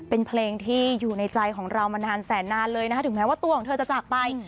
เป็นเพลงที่อยู่ในใจของเรามานานแสนนานเลยนะคะถึงแม้ว่าตัวของเธอจะจากไป